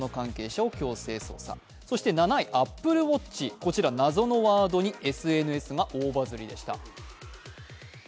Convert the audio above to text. そして７位、ＡｐｐｌｅＷａｔｃｈ、謎のワードにＳＮＳが大バズりでした。